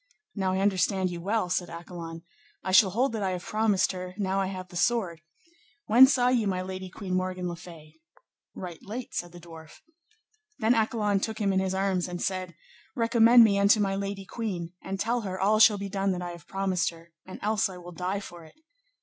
Now I understand you well, said Accolon, I shall hold that I have promised her now I have the sword: when saw ye my lady Queen Morgan le Fay? Right late, said the dwarf. Then Accolon took him in his arms and said, Recommend me unto my lady queen, and tell her all shall be done that I have promised her, and else I will die for it.